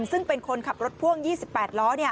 ซึ่งเป็นคนขับรถพ่วง๒๘ล้อ